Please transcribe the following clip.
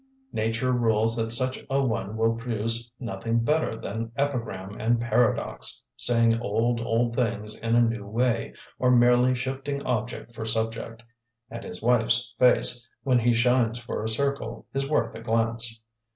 Nature rules that such a one will produce nothing better than epigram and paradox, saying old, old things in a new way, or merely shifting object for subject and his wife's face, when he shines for a circle, is worth a glance.